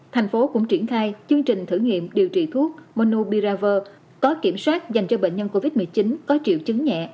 thành phố cũng triển khai chương trình thử nghiệm điều trị thuốc monobiraver có kiểm soát dành cho bệnh nhân covid một mươi chín có triệu chứng nhẹ